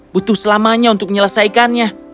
butuh selamanya untuk menyelesaikannya